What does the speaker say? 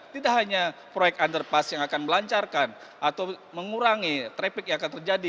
tidak hanya proyek underpass yang akan melancarkan atau mengurangi trafik yang tersebut